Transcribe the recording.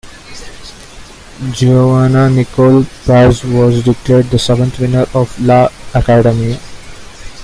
Giovanna Nicole Paz was declared the seventh winner of "La Academia".